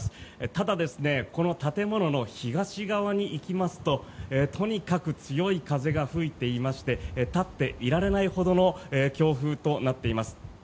ただ、この建物の東側に行きますととにかく強い風が吹いていまして立っていられないほどの強風となっています。